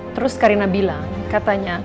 terus karina bilang katanya